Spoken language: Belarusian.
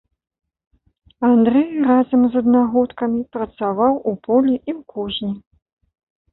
Андрэй разам з аднагодкамі працаваў у полі і ў кузні.